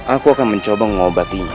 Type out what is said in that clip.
aku akan mencoba mengobatinya